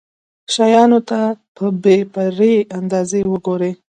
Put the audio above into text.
شيانو ته په بې پرې انداز وګوري.